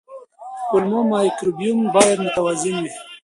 کولمو مایکروبیوم باید متوازن وي.